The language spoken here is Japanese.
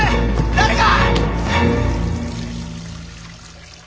誰か！